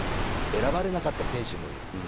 選ばれなかった選手もいる。